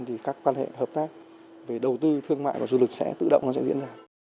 thì các quan hệ hợp tác về đầu tư thương mại và du lịch sẽ tự động nó sẽ diễn ra